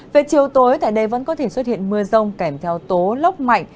về chiều tối tại đây vẫn có thể xuất hiện mưa rông kẻm theo tố lóc mạnh